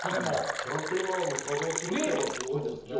ちゃんと今も作動するのがすごいですね。